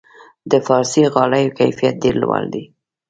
د فارسي غالیو کیفیت ډیر لوړ دی.